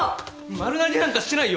丸投げなんかしてないよ。